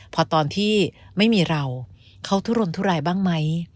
พอตอนที่ไม่มีเราเขาทุรนทุรายบ้างไหม